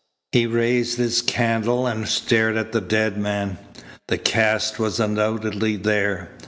He raised his candle and stared at the dead man. The cast was undoubtedly there.